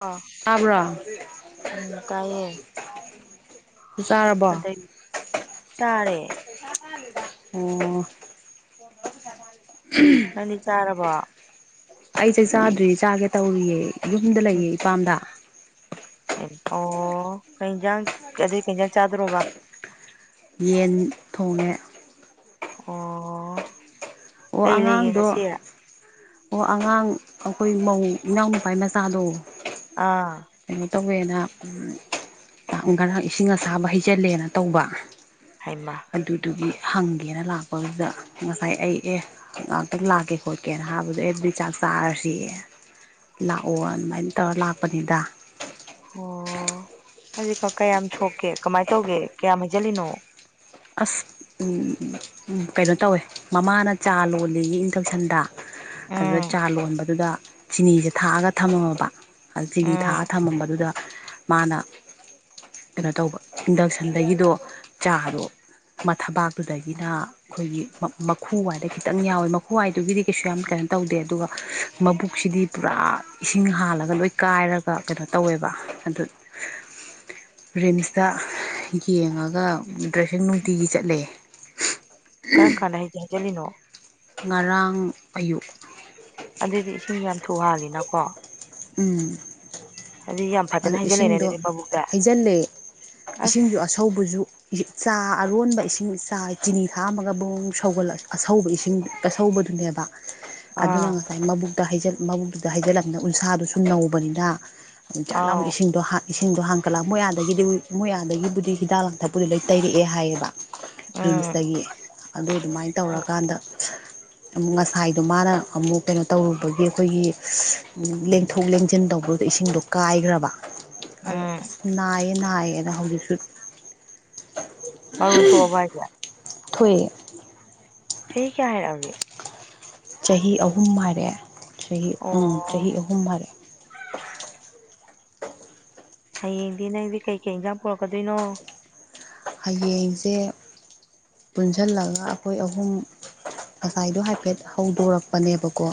ꯑꯥ ꯑꯕ꯭ꯔꯥ ꯎꯝ ꯇꯥꯏꯌꯦ ꯇꯔꯕ꯭ꯔꯥ ꯀꯗꯩ ꯆꯥꯔꯦ ꯄꯩꯁꯥ ꯊꯥꯗꯨꯏꯕ ꯑ‌ꯣ ꯅꯪꯗꯤ ꯆꯥꯔꯕꫭ ꯑꯩꯁꯦ ꯆꯥꯗ꯭ꯔꯤ ꯆꯥꯒꯦ ꯇꯧꯔꯤꯌꯦ ꯌꯨꯝꯗ ꯎꯝ ꯂꯩꯌꯦ ꯏꯄꯥꯝꯗ ꯑꯣ ꯀꯩꯏꯟꯖꯥꯟ ꯀꯩꯏꯟꯖꯥꯟ ꯆꯥꯗ꯭ꯔꯣꯕ ꯌꯦꯟ ꯊꯣꯡꯉꯦ ꯑꯣ ꯑꯣ ꯀꯩ ꯂꯩꯒꯦ ꯑꯉꯥꯡꯗꯣ ꯉꯁꯤ ꯑꯣ ꯑꯉꯥꯡ ꯑꯩꯈꯣꯏ ꯃꯧ ꯏꯅꯥꯎ ꯃꯄꯥ ꯃꯆꯥꯗꯣ ꯑꯥ ꯀꯩꯅꯣ ꯇꯧꯋꯦꯅ ꯉꯔꯥꯡ ꯏꯁꯤꯡ ꯑꯁꯥꯕ ꯍꯩꯖꯜꯂꯦꯅ ꯇꯧꯕ ꯍꯥꯏꯃ ꯑꯗꯨꯗꯨꯒꯤ ꯍꯪꯒꯦꯅ ꯂꯥꯛꯄꯗꯨꯗ ꯉꯁꯥꯏ ꯑꯩ ꯑꯦ ꯉꯥꯛꯇꯪ ꯂꯥꯛꯀꯦ ꯈꯣꯠꯀꯦꯅ ꯍꯥꯏꯕꯗꯣ ꯑꯩ ꯑꯗꯨꯗꯤ ꯆꯥꯛ ꯆꯥꯔꯁꯤꯌꯦ ꯂꯥꯛꯑꯣ ꯑꯗꯨꯃꯥꯏꯅ ꯇꯧꯔ ꯂꯥꯛꯄꯅꯤꯗ ꯑꯣ ꯍꯖꯀꯛ ꯀꯌꯥꯝ ꯁꯣꯛꯀꯦ ꯀꯃꯥꯏꯅ ꯇꯧꯒꯦ ꯀꯌꯥꯝ ꯍꯩꯖꯤꯜꯂꯤꯅꯣ ꯑꯁ ꯀꯩꯅꯣ ꯇꯧꯋꯦ ꯃꯃꯥꯅ ꯆꯥ ꯂꯣꯜꯂꯤꯌ‌ꯦ ꯆꯥꯛꯁꯟꯗ ꯑꯗꯨꯗ ꯎꯝ ꯆꯥ ꯂꯣꯟꯕꯗꯨꯗ ꯆꯤꯅꯤꯁꯦ ꯊꯥꯛꯑꯒ ꯊꯝꯃꯝꯕ ꯆꯤꯅꯤ ꯊꯥꯑ ꯎꯝ ꯊꯝꯃꯝꯕꯗꯨꯗ ꯃꯥꯅ ꯀꯩꯅꯣ ꯇꯧꯕ ꯏꯟꯗꯛꯁꯟꯗꯒꯤꯗꯣ ꯆꯥꯔ‌ꯧ ꯃ ꯊꯕꯥꯛꯇꯨꯗꯒꯤꯅ ꯑꯩꯈꯣꯏꯒꯤ ꯃꯈꯨꯋꯥꯏꯗꯨ ꯈꯤꯇꯪ ꯌꯥꯎꯋꯦ ꯃꯈꯨꯋꯥꯏꯗꯨꯒꯤꯗꯤ ꯀꯩꯁꯨ ꯌꯥꯝ ꯀꯩꯅꯣ ꯇꯧꯗꯦ ꯑꯗꯨꯒ ꯃꯕꯨꯛꯁꯤꯗꯤ ꯄꯨꯔꯥ ꯏꯁꯤꯡ ꯍꯥꯜꯂꯒ ꯂꯣꯏ ꯀꯥꯏꯔꯒ ꯀꯩꯅꯣ ꯇꯧꯋꯦꯕ ꯑꯗꯨ [inaudible] ꯔꯤꯝꯁꯇ ꯌꯦꯡꯉꯒ ꯗ꯭ꯔꯤꯐ ꯅꯨꯡꯇꯤꯒꯤ ꯆꯠꯂꯦ ꯀꯔꯝ ꯀꯥꯟꯗ ꯍꯩꯖꯤꯜꯂꯤꯅꯣ ꯉꯔꯥꯡ ꯑꯌꯨꯛ ꯑꯗꯨꯗꯤ ꯏꯁꯤꯡ ꯌꯥꯝ ꯊꯨꯍꯥꯜꯂꯤꯅꯀꯣ ꯎꯝ ꯌꯥꯝ ꯐꯖꯅ ꯑꯗꯨ ꯍꯩꯖꯤꯜꯂꯦꯅꯦ ꯏꯁꯤꯡꯗꯣ ꯑꯗꯨꯗꯤ ꯃꯕꯨꯛꯇ ꯍꯩꯖꯤꯜꯂꯦ ꯏꯁꯤꯡꯁꯨ ꯑꯁ ꯑꯁꯧꯕꯁꯨ ꯆꯥ ꯑꯔꯣꯟꯕ ꯏꯁꯤꯡ ꯆꯥꯏ ꯆꯤꯅꯤ ꯊꯥꯝꯃꯒ ꯕꯨꯟ ꯕꯨꯟ ꯁꯧꯒꯠꯂ ꯑꯁꯧꯕ ꯏꯁꯤꯡꯗꯣ ꯆꯁꯧꯕꯗꯨꯅꯦꯕ ꯑꯗꯨꯅ ꯑꯥ ꯉꯁꯥꯏ ꯃꯕꯨꯛꯇ ꯃꯕꯨꯛꯇꯨꯗ ꯍꯩꯖꯤꯜꯂꯝꯕꯅ ꯎꯟꯁꯥꯗꯨꯁꯨ ꯅꯧꯕꯅꯤꯅ ꯑꯗꯨꯝ ꯆꯥꯠꯂꯝ ꯑꯥꯎ ꯏꯁꯤꯡꯗꯣ ꯍꯥꯜ ꯏꯁꯤꯡꯗꯣ ꯍꯥꯡꯀꯠꯂꯛ ꯃꯣꯏ ꯑꯗꯒꯤꯗꯤ ꯃꯣꯏ ꯑꯥꯗꯒꯤꯕꯨꯗꯤ ꯍꯤꯗꯥꯛ ꯂꯥꯡꯊꯛꯄꯨꯗꯤ ꯂꯣꯏ ꯇꯩꯔꯛꯑꯦ ꯍꯥꯏꯌꯦꯕ ꯎꯝ ꯔꯤꯝꯁꯇꯒꯤ ꯑꯗꯨ ꯑꯗꯨꯃꯥꯏꯅ ꯎꯝ ꯇꯧꯔꯀꯥꯟꯗ ꯑꯃꯨꯛ ꯉꯁꯥꯏꯗꯣ ꯃꯥꯅ ꯑꯃꯨꯛ ꯀꯩꯅꯣ ꯇꯧꯔꯨꯕꯒꯤ ꯑꯩꯈꯣꯏꯒꯤ ꯂꯦꯡꯊꯣꯛ ꯂꯦꯡꯁꯤꯟ ꯇꯧꯕꯗ ꯏꯁꯤꯡꯗꯣ ꯀꯥꯏꯈ꯭ꯔꯕ ꯑꯗꫭ ꯎꯝ ꯑꯁ ꯅꯥꯏꯌꯦ ꯅꯥꯏꯌꯦꯅ ꯍꯧꯖꯤꯛꯁꯨ [unintelligible] ꯃꯔꫭꯟ ꯊꯣꯛꯑꯕꫭ ꯍꯥꯏꯁꯦ ꯊꯣꯏꯌꯦ ꯆꯍꯤ ꯀꯌꯥ ꯍꯥꯏꯔꯛꯑꯒꯦ ꯆꯍꯤ ꯑꯍꯨꯝ ꯍꯥꯏꯔꯛꯑꯦ ꯆꯍꯤ ꯑꯣ ꯎꯝ ꯆꯍꯤ ꯑꯍꯨꯝ ꯍꯥꯏꯔꯛꯑꯦ ꯍꯌꯦꯡꯗꯤ ꯅꯪꯗꯤ ꯀꯩꯀꯩ ꯏꯟꯖꯥꯡ ꯄꯨꯔꯛꯀꯗꯣꯏꯅꯣ ꯍꯌꯦꯡꯁꯦ ꯄꯨꯟꯁꯤꯜꯂꯒ ꯑꯩꯈꯣꯏ ꯑꯍꯨꯝ ꯉꯁꯥꯏꯗꯣ ꯍꯥꯏꯐꯦꯠ ꯍꯧꯗꯣꯔꯛꯄꯅꯦꯕꯀꯣ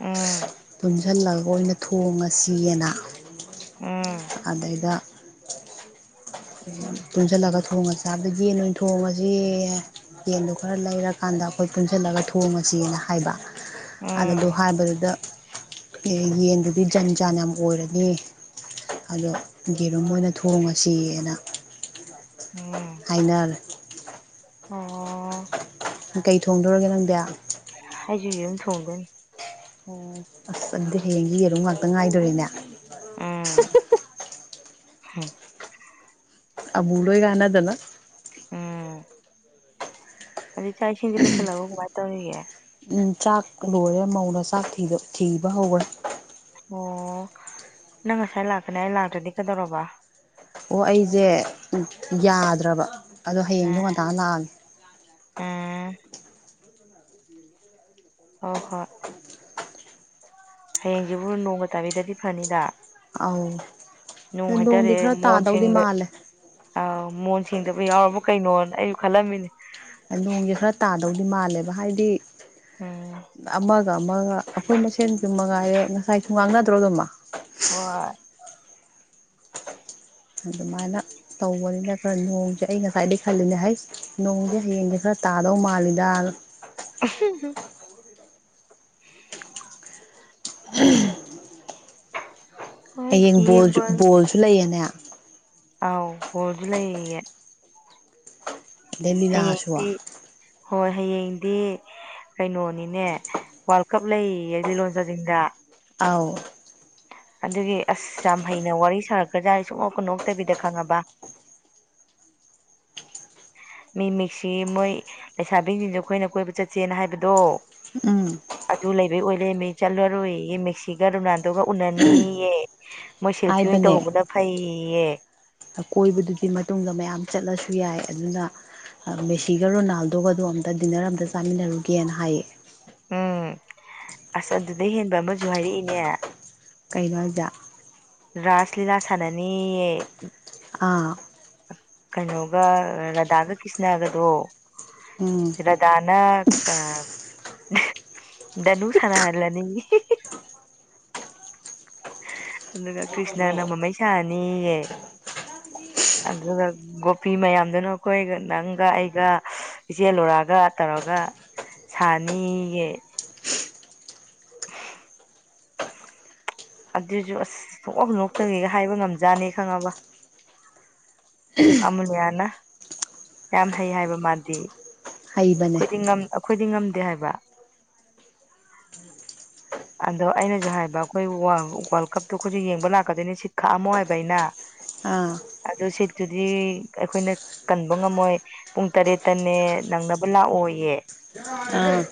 ꯎꯝ ꯄꯨꯟꯁꯤꯜꯂꯒ ꯑꯣꯏꯅ ꯊꯣꯡꯉꯁꯤꯅ ꯎꯝ ꯑꯗꯩꯗ ꯄꯨꯟꯁꯤꯜꯂꯒ ꯊꯣꯡꯉꯥꯁꯤ ꯍꯥꯏꯕꯗ ꯌꯦꯟ ꯑꫭꯏꯅ ꯊꯣꯡꯉꯥꯁꯤ ꯌꯦꯟꯗꯣ ꯈꯔ ꯂꯩꯔꯀꯥꯟꯗ ꯑꯩꯈꯣꯏ ꯄꯨꯟꯁꯤꯜꯂꯒ ꯊꯣꯡꯉꯁꯤꯅ ꯍꯥꯏꯕ ꯑꯗꯨꯗꯣ ꯎꯝ ꯍꯥꯏꯕꯗꯨꯗ ꯌꯦꯟꯗꯨꯗꯤ ꯖꯟ ꯖꯥꯟ ꯌꯥꯝ ꯑꯣꯏꯔꯅꯤ ꯑꯗꯣ ꯌꯦꯔꯨꯝ ꯑꯣꯏꯅ ꯊꯣꯡꯉꯁꯤꯅ ꯎꯝ ꯐꯥꯏꯅꯜ ꯑꯣ ꯀꯩ ꯊꯣꯡꯗꯣꯔꯒꯦ ꯅꯪꯗꯤ ꯑꯩꯁꯨ ꯌꯦꯔꯨꯝ ꯊꯣꯡꯗꯣꯏꯅꯤ ꯑꯣ ꯑꯁ ꯑꯗꯨꯗꯤ ꯍꯌꯦꯡꯒꯤ ꯌꯦꯔꯨꯝ ꯉꯥꯛꯇ ꯉꯥꯏꯗꯣꯔꯤꯅꯦ ꯎꯝꯝ ꯑꯕꯨꯂꯑꯕꯨ ꯂꯣꯏ ꯀꯅꯥꯗꯅ ꯍꯧꯖꯤꯛ ꯆꯥꯛ ꯏꯁꯤꯡꯁꯤ ꯂꯣꯏꯁꯤꯜꯂꯛꯑꯕꯣ ꯀꯃꯥꯏꯅ ꯇꯧꯔꯤꯒꯦ ꯎꯝ ꯆꯥꯛ ꯂꯣꯏꯔꯦ ꯃꯧꯅ ꯆꯥꯛ ꯊꯤꯕ ꯍꯧꯈ꯭ꯔꯦ ꯑꯣ ꯅꯪ ꯉꯁꯥꯏ ꯂꯥꯛꯀꯅꯤ ꯑꯩ ꯂꯥꯛꯇ꯭ꯔꯗꯤ ꯀꯩꯗꯧꯔꯕ ꯑꯣ ꯑꯩꯁꯦ ꯌꯥꯗ꯭ꯔꯕ ꯑꯗꯣ ꯍꯌꯦꯡꯗꯣ ꯉꯟꯇꯥ ꯂꯥꯛꯑꯒꯦ ꯎꯃꯝ ꯑꯣ ꯍꯣꯏ [unintelligible] ꯍꯌꯦꯡꯁꯤꯕꯨ ꯅꯣꯡꯒ ꯇꯥꯕꯤꯗꯗꯤ ꯐꯅꯤꯗ ꯑꯧ ꯅꯨꯡ ꯅꯣꯡꯗꯤ ꯍꯥꯏꯇꯥꯔꯦ ꯈꯔ ꯇꯥꯗꯧꯗꯤ ꯃꯣꯟꯁꯤꯡꯗ ꯃꯥꯜꯂꯦ ꯑ ꯃꯣꯟ ꯁꯦꯡꯗꯕ ꯌꯥꯎꯔꯕ ꯀꯩꯅꯣꯅ ꯑꯩꯁꯨ ꯈꯜꯂꯝꯃꯤꯅꯦ ꯅꯣꯡꯁꯦ ꯈꯔ ꯇꯥꯗꯧꯗꯤ ꯃꯥꯜꯂꯦꯕ ꯍꯥꯏꯗꯤ ꯎꯝ ꯑꯃꯒ ꯑꯃꯒ ꯑꯩꯈꯣꯏ ꯃꯁꯦꯟꯁꯨ ꯃꯉꯥꯏꯔꯦ ꯉꯁꯥꯏꯁꯨ ꯉꯥꯡꯅꯗ꯭ꯔꯣ ꯑꯗꯨꯃ ꯍꯣꯏ ꯑꯗꯨꯃꯥꯏꯅ ꯇꯧꯕꯅꯤꯅ ꯈꯔ ꯅꯣꯡꯁꯦ ꯑꯩ ꯉꯁꯥꯏꯗꯒꯤ ꯈꯜꯂꯤꯅꯦ ꯍꯥꯏꯁꯦ ꯅꯣꯡꯗꯤ ꯍꯌꯦꯡꯗꯤ ꯈꯔ ꯇꯥꯗꯧ ꯃꯥꯜꯂꯤꯗ [unintelligible] ꯍꯣꯏ ꯍꯌꯦꯡ ꯕꯣꯜꯁꯨ ꯌꯦꯡꯕ ꯕꯣꯜꯁꯨ ꯂꯩꯌꯦꯅꯦ ꯑꯥꯎ ꯕꫭꯜꯁꯨ ꯂꯩꯌꯦ ꯑꯗꯩ ꯂꯤꯂꯥꯁꯨ ꯍꯌꯦꯡꯗꯤ ꯍꯣꯏ ꯍꯌꯦꯡꯗꯤ ꯀꯩꯅꯣꯅꯤꯅꯦ ꯋꯥꯜ ꯀꯞ ꯂꯩꯌꯦꯌꯦ ꯂꯤꯂꯣꯡ ꯆꯥꯖꯤꯡꯗ ꯑꯥꯎ ꯑꯗꯨꯒꯤ ꯑꯁ ꯌꯥꯝ ꯍꯩꯅ ꯋꯥꯔꯤ ꯁꯥꯔꯛꯀ꯭ꯔꯖꯥꯠ ꯁꯨꯡꯅꯣꯛꯀ ꯅꯣꯛꯇꯕꯤꯗ ꯈꯪꯉꯕ ꯃꯤ ꯃꯤꯛꯁꯤ ꯃꯣꯏ ꯂꯩꯁꯥꯕꯤꯁꯤꯡꯁ ꯑꯩꯈꯣꯏꯅ ꯀꯣꯏꯕ ꯆꯠꯁꯦꯅ ꯍꯥꯏꯕꯗꯣ ꯎꯝ ꯑꯗꯨ ꯂꯩꯕꯩ ꯑꯣꯏ ꯂꯩꯔꯝꯃꯦ ꯆꯠꯂꯔꯣꯏꯌꯦ ꯃꯦꯛꯁꯤꯒ ꯔꯣꯅꯥꯜꯗꯣꯒ ꯎꯅꯅꯤꯌꯦ ꯃꯣꯏ ꯁꯦꯜꯐꯤ ꯑꯣꯏꯅ ꯇꯧꯍꯧꯕꯅ ꯐꯩꯌꯦꯌꯦ ꯑꯀꯣꯏꯕꯗꯨꯒꯤ ꯃꯇꯨꯡꯗ ꯃꯌꯥꯝ ꯆꯠꯂꯁꯨ ꯌꯥꯏ ꯑꯗꯨꯅ ꯃꯦꯁꯤꯒ ꯔꯣꯅꯥꯜꯗꯣꯒꯗꯣ ꯑꯝꯇ ꯗꯤꯟꯅꯔ ꯑꯝꯇ ꯆꯥꯃꯤꯟꯅꯔꯨꯒꯦꯅ ꯍꯥꯏꯌꯦ ꯎꯝ ꯑꯁ ꯑꯗꯨꯗꯩ ꯍꯦꯟꯕ ꯑꯃꯁꯨ ꯍꯥꯏꯔꯛꯏꯅꯦ ꯀꯩꯅꯣ ꯍꯥꯏꯖꯦ ꯔꯥꯁ ꯂꯤꯂꯥ ꯁꯥꯟꯅꯅꯦꯌꯦ ꯑꯥ ꯀꯩꯅꯣꯒ ꯔꯥꯙꯥꯒ ꯀ꯭ꯔꯤꯁꯅꯒꯗꯣ ꯎꯝ ꯔꯗꯥꯅ ꯑꯥ ꯗꯅꯨ ꯁꯥꯟꯅꯍꯜꯂꯅꯤꯌꯦ ꯑꯗꯨꯅ ꯀ꯭ꯔꯤꯁꯅꯅ ꯃꯃꯩ ꯁꯥꯍꯟꯅꯤꯌꯦ ꯑꯗꯨꯒ ꯒꯣꯄꯤ ꯃꯌꯥꯝꯗꯨꯅ ꯑꯩꯈꯣꯏꯒ ꯅꯪꯒ ꯑꯩꯒ ꯏꯆꯦ ꯅꯨꯔꯒ ꯇꯧꯔꯒ ꯁꯥꯅꯤꯌꯦ ꯑꯗꯨꯁꯨ ꯑꯁ ꯁꯨꯛꯅꯣꯛ ꯅꯣꯛꯇꯕꯤꯒ ꯍꯥꯏꯕ ꯉꯝꯖꯥꯠꯅꯤ ꯈꯪꯉꯕ ꯑꯃꯨꯂꯤꯌꯥꯅ ꯌꯥꯝ ꯍꯩ ꯍꯥꯏꯕ ꯃꯥꯗꯤ ꯍꯩꯕꯅꯦ ꯑꯩꯈꯣꯏꯗꯤ ꯉꯝ ꯑꯩꯈꯣꯏꯗꯤ ꯉꯝꯗꯦ ꯍꯥꯏꯕ ꯎꯝ [unintelligible] ꯑꯗꯣ ꯑꯩꯅꯁꯨ ꯍꯥꯏꯕ ꯑꯩꯈꯣꯏ ꯋꯥꯜ ꯋꯥꯜꯀꯞꯇꯣ ꯑꯩꯈꯣꯏꯁꯨ ꯌꯦꯡꯕ ꯂꯥꯛꯀꯗꯣꯏꯅꯤ ꯁꯤꯠ ꯈꯥꯛꯑꯝꯃꯣ ꯍꯥꯏꯕ ꯑꯩꯅ ꯑꯥ ꯑꯗꯨ ꯁꯤꯠꯇꯨꯗꯤ ꯑꯩꯈꯣꯏꯅ ꯀꯟꯕ ꯉꯝꯃꯣꯏ ꯄꯨꯡ ꯇꯔꯦꯠꯇꯅꯦ ꯅꯪꯅꯕ ꯂꯥꯛꯑꯣꯌꯦ ꯎꯝ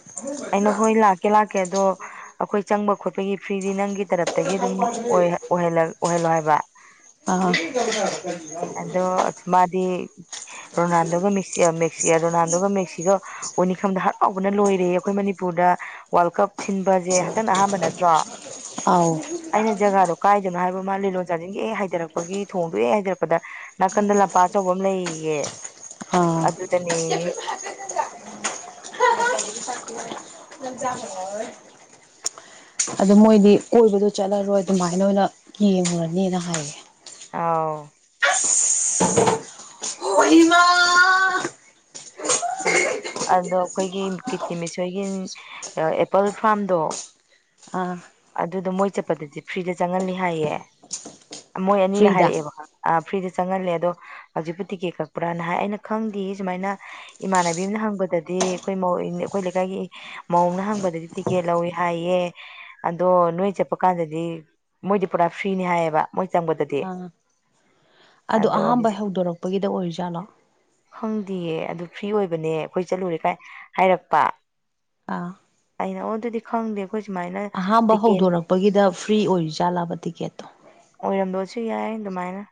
ꯑꯩꯅ ꯍꯣꯏ ꯂꯥꯛꯀꯦ ꯂꯥꯛꯀꯦ ꯑꯗꯣ ꯑꯩꯈꯣꯏ ꯆꯪꯕ ꯈꯣꯠꯄꯒꯤ ꯐ꯭ꯔꯤꯗꯤ ꯅꯪꯒꯤ ꯇꯔꯞ ꯇꯒꯤ ꯑꯗꯨꯝ ꯑꯣꯏ ꯑꯣꯏꯍꯜꯂ ꯑꫭꯏꯍꯜꯂꫭ ꯍꯥꯏꯕ ꯑꯥ [unintelligible] ꯑꯗꯣ ꯃꯥꯗꯤ ꯔꯣꯅꯥꯜꯗꯣꯒ ꯃꯦꯁꯤ ꯃꯁꯤꯑ ꯔꯣꯅꯥꯜꯗꯣꯒ ꯃꯦꯁꯤꯗꫭ ꯎꯅꯤ ꯈꯟꯕꯗ ꯍꯔꯥꯎꯕꯅ ꯂꯣꯏꯔꯦꯌꯦ ꯑꯩꯈꯣꯏ ꯃꯅꯤꯄꯨꯔꯗ ꯋꯥꯔꯜ ꯀꯞ ꯁꯤꯟꯕꯖꯦ ꯍꯟꯗꯛꯅ ꯑꯍꯥꯟꯕ ꯅꯠꯇ꯭ꯔꯣ ꯑꯥꯎ ꯀꯥꯏꯗꯅ ꯍꯥꯏꯕ ꯃꯥ ꯂꯤꯂꯣꯡ ꯆꯥꯖꯤꯡꯒꯤ ꯑꯦ ꯍꯩꯗꯔꯛꯄꯒꯤ ꯊꯣꯡꯗꯣ ꯍꯦꯛ ꯍꯥꯏꯗ ꯄꯗ ꯅꯥꯀꯟꯗ ꯂꯝꯄꯥꯛ ꯑꯆꯧꯕ ꯑꯃ ꯂꯩꯌꯦꯌꯦ ꯑꯗꯨꯗꯅꯦꯌꯦ ꯖꯣꯏ [unintelligible] ꯑꯗꯨ ꯃꯣꯏꯗꯤ ꯀꯣꯏꯕꯗꯨ ꯆꯠꯂꯔꯣꯏ ꯑꯗꯨꯃꯥꯏꯅ ꯑꯣꯏꯅ ꯌꯦꯡꯉꯨꯔꯅꯤ ꯍꯥꯏꯌꯦ ꯑꯥꯎ ꯍꫭ ꯏꯃꯥ ꯑꯗꯣ ꯑꯩꯈꯣꯏꯒꯤ ꯀꯤꯇꯤꯃꯤꯁꯣꯏꯒꯤ ꯑꯦꯄꯜ ꯐꯥꯝꯗꯣ ꯑꯥ ꯑꯗꯨꯗꯣ ꯃꯣꯏ ꯆꯠꯄꯗꯗꯤ ꯐ꯭ꯔꯤꯗ ꯆꯪꯍꯜꯂꯤ ꯍꯥꯏꯌꯦ ꯃꯣꯏ ꯑꯅꯤꯅ ꯐ꯭ꯔꯤꯗ ꯍꯥꯏꯔꯛꯑꯦꯕ ꯑ ꯐ꯭ꯔꯤꯗ ꯆꯪꯍꯜꯂꯦ ꯑꯗꯣ ꯍꯧꯖꯤꯛꯄꯨ ꯇꯤꯛꯀꯦꯠ ꯀꯛꯄ꯭ꯔꯥꯅ ꯍꯥꯏ ꯑꯩꯅ ꯈꯪꯗꯦ ꯁꯨꯃꯥꯏꯅ ꯏꯃꯥꯟꯅꯕꯤ ꯑꯝꯅ ꯍꯪꯕꯗꯗꯤ ꯑꯩꯈꯣꯏ ꯃꯧ ꯑꯩꯈꯣꯏ ꯂꯩꯀꯥꯏꯒꯤ ꯃꯧ ꯑꯃꯅꯥ ꯍꯪꯕꯗꯗꯤ ꯇꯤꯀꯦꯠ ꯂꯧꯋꯦ ꯍꯥꯏꯌꯦ ꯑꯗꯣ ꯅꯣꯏ ꯆꯠꯄ ꯀꯥꯟꯗꯗꯤ ꯃꯣꯏꯗꯤ ꯄꯨꯔꯥ ꯐ꯭ꯔꯤꯅꯤ ꯍꯥꯏꯌꯦꯕ ꯃꯣꯏ ꯆꯪꯕꯗꯗꯤ ꯑꯥ ꯑꯗꯣ ꯑꯍꯥꯟꯕ ꯍꯧꯗꯣꯔꯛꯄꯒꯤꯗ ꯑꯣꯏꯔꯤꯖꯥꯠꯂꯣ ꯈꯪꯗꯤꯌꯦ ꯑꯗꯨ ꯐ꯭ꯔꯤ ꯑꯣꯏꯕꯅꯦ ꯑꯩꯈꯣꯏ ꯆꯠꯂꯨꯔꯦ ꯀꯥꯏ ꯍꯥꯏꯔꯛꯄ ꯑꯥ ꯑꯩꯅ ꯑꯣ ꯑꯗꯨꯗꯤ ꯈꯪꯗꯦ ꯑꯈꯣꯏ ꯁꯨꯃꯥꯏꯅ ꯑꯍꯥꯝꯕ ꯇꯤꯀꯦꯠ ꯍꯧꯗꯣꯔꯛꯄꯒꯤꯗ ꯐ꯭ꯔꯤ ꯑꯣꯏꯔꯤꯖꯥꯠꯂꯥꯕ ꯇꯤꯛꯀꯦꯠꯇꯣ ꯑꯣꯏꯔꯝꯕꯁꯨ ꯌꯥꯏ ꯑꯗꯨꯃꯥꯏꯅ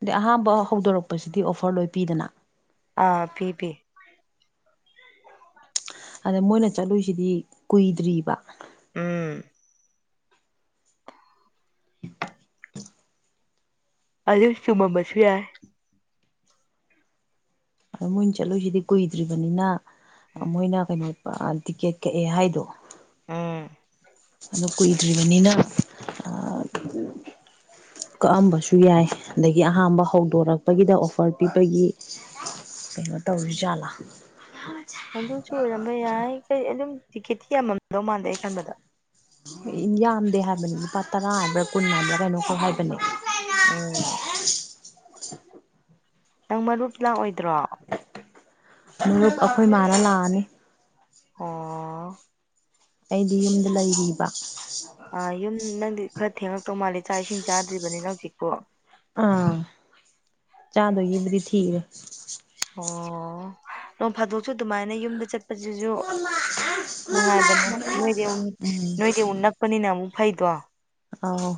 ꯑꯗꯗꯤ ꯑꯍꯥꯥꯟꯕ ꯍꯧꯗꯣꯔꯛꯄꯁꯤꯗꯤ ꯑꯣꯐꯔ ꯂꯣꯏ ꯄꯤꯗꯅ꯫ ꯑꯥ ꯄꯤ ꯄꯤ ꯑꯗ ꯃꯣꯏꯅ ꯆꯠꯂꯨꯁꯤꯗꯤ ꯀꯨꯏꯗ꯭ꯔꯤꯕ ꯎꯝ ꯑꯗꯨ ꯆꯨꯝꯃꯝꯕꯁꯨ ꯌꯥꯏ ꯑꯗꯣ ꯃꯣꯏꯅ ꯆꯠꯂꯨꯁꯤꯗꯤ ꯀꯨꯏꯗ꯭ꯔꯤꯕꯅꯤꯅ ꯃꯣꯏꯅ ꯀꯩꯅꯣ ꯇꯤꯛꯀꯦꯠ ꯀꯛꯑꯦ ꯍꯥꯏꯗꯣ ꯎꯝ ꯑꯗꯨ ꯀꯨꯏꯗ꯭ꯔꯤꯕꯅꯤꯅ ꯑꯥ [inaudible] ꯀꯛꯑꯝꯕꯁꯨ ꯌꯥꯏ ꯑꯗꯒꯤ ꯑꯍꯥꯝꯕ ꯍꯧꯗꯣꯔꯛꯄꯒꯤꯗ ꯑꯣꯐꯔ ꯄꯤꯕꯒꯤ ꯀꯩꯅꯣ ꯇꯧꯔꯤ ꯖꯥꯠꯂꯥ ꯑꯗꯨꯁꯨ ꯑꯣꯏꯔꯝꯕ ꯌꯥꯏ ꯀꯩ ꯑꯗꯨꯝ ꯇꯤꯀꯦꯠꯇꯤ ꯌꯥꯝꯃꯝꯗꯧ ꯃꯥꯟꯗꯦ ꯑꯩ ꯈꯟꯕꯗ ꯫ ꯌꯥꯝꯗꯦ ꯍꯥꯏꯕꯅꯦ ꯂꯨꯄꯥ ꯇꯔꯥ ꯍꯥꯏꯕ꯭ꯔꯥ ꯀꯨꯟ ꯍꯥꯏꯕ꯭ꯔꯥ ꯀꯩꯅꯣ ꯈꯛ ꯍꯥꯏꯕꯅꯦ ꯫ ꯎꯝ ꯅꯪ ꯃꯔꯨꯞ ꯂꯥꯛꯑꯣꯏꯗ꯭ꯔꯣ ꯃꯔꯨꯞ ꯑꯩꯈꯣꯏ ꯃꯥꯅ ꯂꯥꯛꯑꯅꯤ ꯑꯣ ꯑꯩꯗꯤ ꯌꯨꯝꯗ ꯂꯩꯔꯤꯕ ꯑ ꯌꯨꯝ ꯅꯪꯗꯤ ꯈꯔ ꯊꯦꯡꯉꯛꯇꯧ ꯃꯥꯜꯂꯦ ꯆꯥꯛ ꯏꯁꯤꯡ ꯆꯥꯗ꯭ꯔꯤꯕꯅꯤꯅ ꯍꯧꯖꯤꯛꯄꫭ ꯑꯥ ꯆꯥꯗꯣꯏꯒꯤꯕꯨꯗꯤ ꯊꯤꯔꯦ ꯑꯣ ꯅꯣꯡ ꯐꯥꯗꯣꯛꯁꯨ ꯑꯗꯨꯃꯥꯏꯅ ꯌꯨꯝꯗ ꯆꯠꯄꯁꯤꯁꯨ ꯅꯨꯡꯉꯥꯏꯕꯅꯦ ꯅꯣꯏꯗꯤ ꯎ ꯎꯝ ꯅꯣꯏꯗꯤ ꯎꯟ ꯅꯛꯄꯅꯤꯅ ꯑꯃꯨꯛ ꯐꯩꯗꯣ ꯫ ꯑꯥꯎ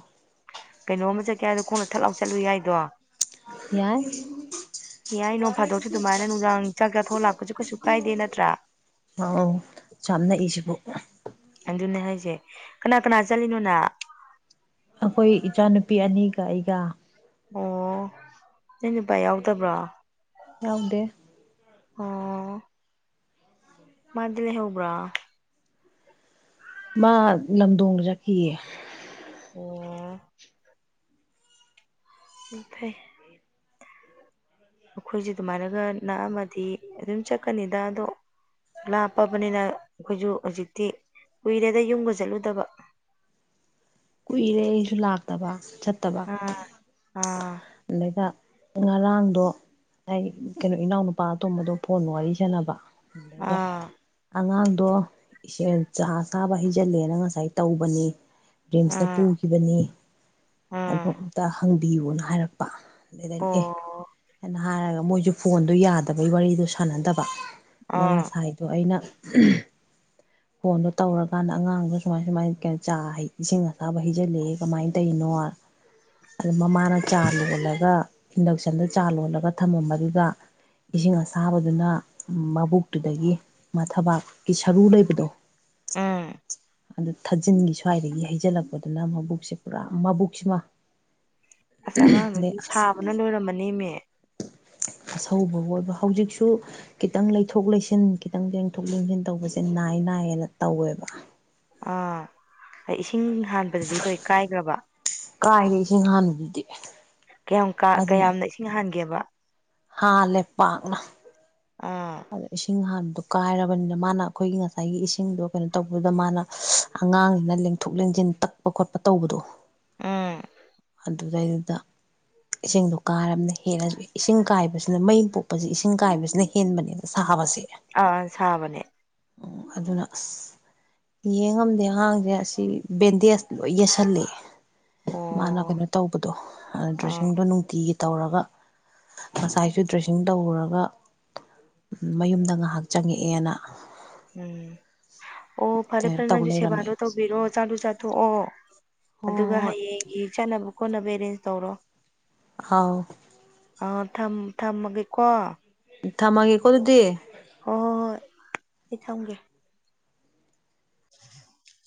ꯀꯩꯅꯣꯝ ꯆꯠꯀꯦ ꯍꯥꯏꯗꯣ ꯈꯣꯡꯅ ꯊꯠ ꯂꯥꯎ ꯆꯠꯂꯨ ꯌꯥꯏꯗꯣ ꯌꯥꯏ ꯌꯥꯏ ꯅꯣꯡ ꯐꯥꯗꯣꯛꯁꯨ ꯑꯗꯨꯃꯥꯏꯅ ꯅꯨꯡꯗꯥꯡ ꯆꯥꯛ ꯆꯥꯊꯣꯛ ꯂꯥꯛꯄꯁꯨ ꯀꯩꯁꯨ ꯀꯥꯏꯗꯦ ꯅꯠꯇ꯭ꯔꯥ ꯑ ꯆꯝ ꯅꯛꯏꯁꯤꯕꯨ ꯑꯗꯨꯅꯦ ꯍꯥꯏꯁꯦ ꯀꯅꯥ ꯀꯅꯥ ꯆꯠꯂꯤꯅꯣꯅ ꯑꯩꯈꯣꯏ ꯏꯆꯥꯅꯨꯄꯤ ꯑꯅꯤꯒ ꯑꯩꯒ ꯑꯣ ꯅ ꯅꯨꯄꯥ ꯌꯥꯎꯗꯕ꯭ꯔꯣ ꯌꯥꯎꯗꯦ ꯑꯣ ꯃꯥꯗꯤ ꯂꯩꯍꯧꯕ꯭ꯔꯣ ꯫ ꯃꯥ ꯂꯝꯗꯣꯡꯗ ꯆꯠꯈꯤꯌꯦ ꯑꯣ ꯐꯩ ꯐꯩ ꯑꯩꯈꯣꯏꯁꯨ ꯑꯗꯨꯃꯥꯏꯅꯒ ꯅꯥꯛ ꯑꯃꯗꯤ ꯑꯗꯨꯝ ꯆꯠꯀꯅꯤꯗ ꯑꯗꯣ ꯂꯥꯞꯄꯕꯅꯤꯅ ꯑꯩꯈꯣꯏꯁꯨ ꯍꯧꯖꯤꯛꯇꯤ ꯀꯨꯏꯔꯦꯗ ꯌꯨꯝꯒ ꯆꯠꯂꯨꯗꯕ ꯀꯨꯏꯔꯦ ꯑꯩꯁꯨ ꯂꯥꯛꯇꯕ ꯆꯠꯇꯕ ꯑꯥ ꯑꯥ ꯑꯗꯩꯗ ꯉꯔꯥꯡꯗꯣ ꯑꯩ ꯀꯩꯅꯣ ꯏꯅꯥꯎ ꯅꯨꯨꯄꯥ ꯑꯇꯣꯝꯕꯗꯣ ꯐꯣꯟ ꯋꯥꯔꯤ ꯁꯥꯟꯅꯕ ꯑꯗꯨꯗꯩꯗ ꯑꯥ ꯑꯉꯥꯡꯗꯣ ꯏꯆꯦ ꯆꯥ ꯁꯥꯕ ꯍꯩꯖꯜꯂꯦꯅ ꯉꯁꯥꯏ ꯇꯧꯕꯅꯤ ꯔꯤꯝꯁꯇ ꯑꯥ ꯄꯨꯈꯤꯕꯅꯤ ꯑ ꯑꯥ ꯑꯝꯇ ꯍꯪꯕꯤꯌꯨꯅ ꯍꯥꯏꯔꯛꯄ ꯑꯗꯨꯗꯗꯩꯅ ꯑꯦ ꯑꯣ ꯍꯥꯏꯅ ꯍꯥꯏꯔꯒ ꯃꯣꯏꯁꯨ ꯐꯣꯟꯗꯣ ꯌꯥꯗꯕꯒꯤ ꯋꯥꯔꯤꯗꯣ ꯁꯥꯟꯅꯗꯕ ꯑꯥ ꯅꯉꯁꯥꯏ ꯑꯗꯣ ꯑꯩꯅ ꯐꯣꯟꯗꯣ ꯇꯧꯔꯀꯥꯟꯗ ꯑꯉꯥꯡꯗꯣ ꯁꯨꯃꯥꯏ ꯁꯨꯃꯥꯏꯅ ꯀꯩꯅꯣ ꯆꯥ ꯍꯩ ꯏꯁꯤꯡ ꯑꯁꯥꯕ ꯍꯩꯖꯤꯜꯂꯛꯦ ꯀꯃꯥꯏꯅ ꯇꯧꯔꯤꯅꯣ ꯑꯗꯨ ꯃꯃꯥꯅ ꯆꯥ ꯂꯣꯜꯂꯒ ꯏꯟꯗꯛꯁꯟꯗ ꯆꯥ ꯂꯣꯜꯂꯒ ꯊꯝꯃꯝꯕꯗꯨꯗ ꯏꯁꯤꯡ ꯑꯁꯥꯕꯗꯨꯅ ꯃꯕꯨꯛꯇꯨꯗꯒꯤ ꯃꯊꯕꯥꯛꯀꯤ ꯁꯔꯨ ꯂꯩꯕꯗꯣ ꯎꯝ ꯑꯗꯨ ꯊꯥꯖꯤꯟꯒꯤ ꯁ꯭ꯋꯥꯏꯔꯌꯦ ꯍꯩꯖꯤꯜꯂꯛꯄꯗꯨꯅ ꯃꯕꯨꯛꯁꯦ ꯄꯨꯔꯥ ꯃꯕꯨꯛꯁꯤꯃ ꯑꯗꯩ ꯑꯁ ꯑꯗꯨꯅ ꯂꯣꯏꯔꯝꯃꯅꯤ ꯏꯃꯦ ꯑꯁꯧꯕꯕꯨ ꯑꯣꯏꯕ ꯍꯧꯖꯤꯛꯁꯨ ꯈꯤꯇꯪ ꯂꯩꯊꯣꯛ ꯂꯩꯁꯤꯟ ꯈꯤꯇꯪ ꯂꯦꯡꯊꯣꯛ ꯌꯦꯡꯁꯤꯟ ꯇꯧꯕꯁꯦ ꯅꯥꯏ ꯅꯥꯏꯌꯦꯅ ꯇꯧꯋꯦꯕ ꯑꯥ ꯏꯁꯤꯡ ꯍꯥꯟꯕꯗꯗꯤ ꯂꯣꯏ ꯀꯥꯏꯈ꯭ꯔꯕ ꯀꯥꯏꯔꯦ ꯏꯁꯤꯡ ꯍꯥꯟꯕꯗꯨꯗꯤ ꯀꯌꯥꯝ ꯀꯌꯥꯝꯅ ꯏꯁꯤꯡ ꯍꯥꯟꯒꯦꯕ ꯍꯥꯥ ꯂꯦꯞ ꯄꯥꯅ ꯑꯥ ꯑꯗꯣ ꯏꯁꯤꯡ ꯍꯥꯟꯕꯗꯣ ꯀꯥꯏꯔꯕꯅꯤꯅ ꯃꯥꯅ ꯑꯩꯈꯣꯏꯒꯤ ꯉꯁꯥꯏꯒꯤ ꯏꯁꯤꯡꯗꯣ ꯀꯩꯅꯣ ꯇꯧꯕꯗꯨꯗ ꯃꯥꯅ ꯑꯉꯥꯡꯁꯤꯅ ꯂꯦꯡꯊꯣꯛ ꯂꯦꯡꯁꯤꯟ ꯇꯛꯄ ꯈꯣꯠꯄ ꯇꯧꯕꯗꯣ ꯎꯝ ꯑꯗꯨꯗꯩꯗꯨꯗ ꯏꯁꯤꯡꯗꯣ ꯀꯥꯔꯕꯅ ꯍꯦꯜꯂꯁꯨ ꯏꯁꯤꯡ ꯀꯥꯏꯕꯁꯤꯅ ꯃꯩ ꯄꯣꯛꯄꯁꯤ ꯏꯁꯤꯡ ꯀꯥꯏꯕꯁꯤꯅ ꯍꯦꯟꯕꯅꯦ ꯁꯥꯕꯁꯦ ꯑꯥ ꯁꯥꯕꯅꯦ ꯎꯝ ꯑꯗꯨꯅ ꯑꯁ ꯌꯦꯡꯉꯝꯗꯦ ꯑꯉꯥꯡꯁꯦ ꯑꯁꯤ ꯕꯦꯟꯗꯦꯖ ꯂꯣꯏ ꯌꯦꯁꯜꯂꯦ ꯃꯥꯅ ꯑꯣ ꯀꯩꯅꯣ ꯇꯧꯕꯗꯣ ꯑꯥ ꯗ꯭ꯔꯦꯁꯤꯡꯗꯣ ꯅꯨꯡꯇꯤꯒꯤ ꯇꯧꯔꯒ ꯉꯁꯥꯏꯁꯨ ꯗ꯭ꯔꯦꯁꯤꯡ ꯇꯧꯔꯒ ꯃꯌꯨꯝꯗ ꯉꯥꯏꯍꯥꯛ ꯆꯪꯉꯛꯑꯦꯅ ꯎꯝ ꯑꯣ ꯐꯔꯦ ꯀꯩꯅꯣ ꯐꯔꯦ ꯇꯧ ꯅꯪꯁꯨ ꯂꯩꯔꯝꯃꯦ ꯁꯦꯕꯥꯗꯣ ꯇꯧꯕꯤꯔꯣꯑꯣ ꯆꯥꯂꯨ ꯆꯥꯊ ꯑꯣ ꯍꯣꯏ ꯑꯗꯨꯒ ꯍꯣꯏ ꯍꯌꯦꯡꯒꯤ ꯆꯠꯅꯕ ꯈꯣꯠꯅꯕ ꯑꯦꯔꯦꯟ ꯇꯧꯔꯣ ꯍꯥꯎ ꯑꯥ ꯊꯝ ꯊꯝꯃꯒꯦꯀꯣ ꯊꯃꯒꯦ ꯀꯣ ꯑꯥꯗꯨꯗꯤ ꯍꯣꯏ ꯍꯣꯏ ꯍꯣꯏ ꯑꯩ ꯊꯝꯒꯦ [inaudible]